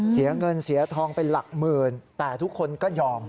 เสียเงินเสียทองเป็นหลักหมื่นแต่ทุกคนก็ยอม